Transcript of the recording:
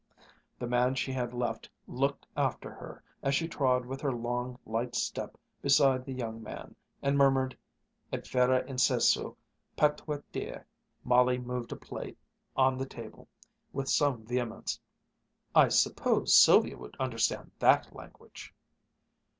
The man she had left looked after her, as she trod with her long, light step beside the young man, and murmured, "Et vera incessu patuit dea." Molly moved a plate on the table with some vehemence. "I suppose Sylvia would understand that language."